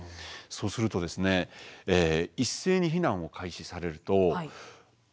そうすると一斉に避難を開始されるとえっ？